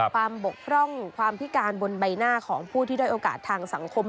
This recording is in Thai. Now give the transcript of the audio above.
บกพร่องความพิการบนใบหน้าของผู้ที่ด้อยโอกาสทางสังคม